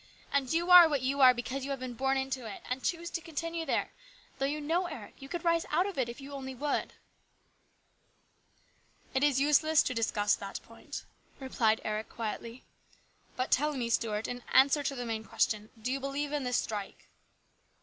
And you are what you are because you have been born into it, and choose to continue there, though you know, Eric, you could rise out of it if you only would." THE GREAT STRIKE. 33 " It is useless to discuss that point," replied Eric quietly. " But tell me, Stuart, in answer to the main question, do you believe in this strike